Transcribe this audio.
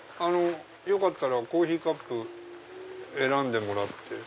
よかったらコーヒーカップ選んでもらって。